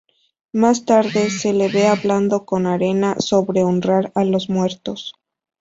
Más tarde, se le ve hablando con Arena sobre honrar a los muertos.